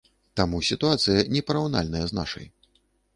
Таму сітуацыя непараўнальная з нашай.